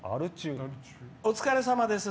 「お疲れさまです